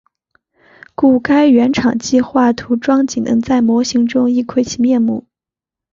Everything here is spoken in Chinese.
故该原厂计画涂装仅能在模型中一窥其面目。